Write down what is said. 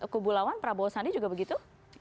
kubu lawan prabowo sandi juga begitu